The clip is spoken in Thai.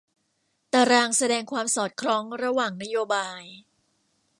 ตารางแสดงความสอดคล้องระหว่างนโยบาย